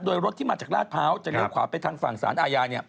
โดยรถที่มาจากลาดพร้าวจะเลี้ยขวาไปทางฝั่งสารอาญา